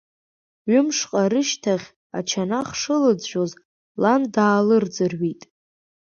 Ҩы-мшҟа рышьҭахь, ачанах шылӡәӡәоз, лан даалырӡырҩит…